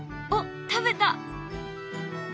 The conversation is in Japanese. おっ食べた。